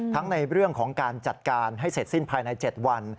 ในเรื่องของการจัดการให้เสร็จสิ้นภายใน๗วัน